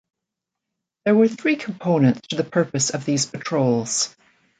There were three components to the purpose of these patrols.